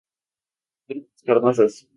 Drupas carnosas.